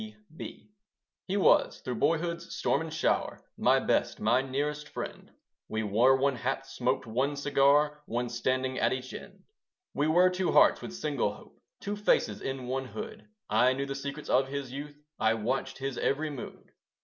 C.B. He was, through boyhood's storm and shower, My best, my nearest friend; We wore one hat, smoked one cigar, One standing at each end. We were two hearts with single hope, Two faces in one hood; I knew the secrets of his youth; I watched his every mood.